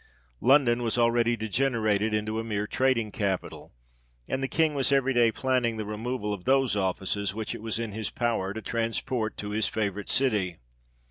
London was already degenerated into a mere trading capital ; and the King was every day planning the removal of 1 1921. GROWTH OF THE CITY OF STANLEY. 93 those offices, which it was in his power to transport to his favourite city.